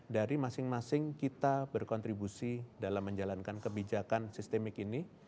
dari masing masing kita berkontribusi dalam menjalankan kebijakan sistemik ini